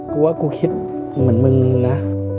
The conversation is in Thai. กูว่ากูคิดเหมือนมึงนะ